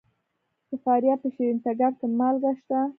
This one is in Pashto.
د فاریاب په شیرین تګاب کې مالګه شته.